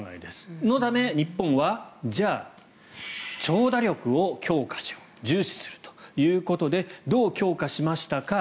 そのため日本はじゃあ、長打力を強化しよう重視するということでどう強化しましたか。